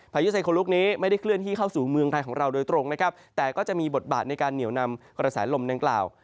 พายุไซโคลุกนี้ไม่ได้เคลื่อนที่เข้าสู่เมืองไทยของเราโดยตรงนะครับแต่ก็จะมีบทบาทในการเหนียวนำกระแสลมดังกล่าว